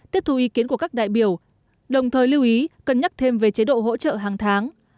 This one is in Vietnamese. tiếp thu ý kiến của các đại biểu đồng thời lưu ý cân nhắc thêm về chế độ hỗ trợ hàng tháng